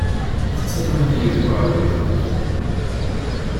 Tettarram-iyi deg uɛewwiq.